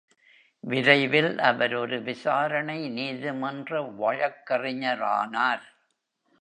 விரைவில் அவர் ஒரு விசாரணை நீதிமன்ற வழக்கறிஞரானார்.